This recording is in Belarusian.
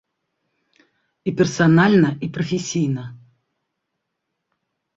І персанальна, і прафесійна.